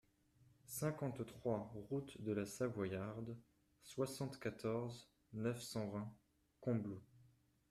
cinquante-trois route de la Savoyarde, soixante-quatorze, neuf cent vingt, Combloux